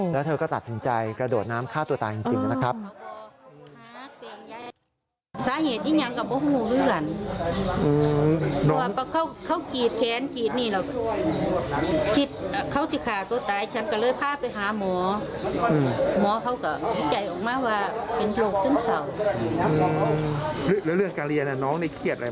แล้วเธอก็ตัดสินใจกระโดดน้ำฆ่าตัวตายจริงนะครับ